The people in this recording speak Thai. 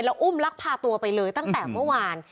แล้วอุ้มลักพาตัวไปเลยตั้งแต่เมื่อวาน